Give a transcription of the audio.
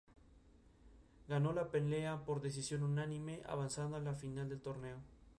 Ganó la pelea por decisión unánime, avanzando a la final del torneo.